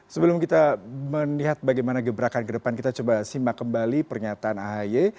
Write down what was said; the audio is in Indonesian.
sebelum kita melihat bagaimana gebrakan ke depan kita coba simak kembali pernyataan ahy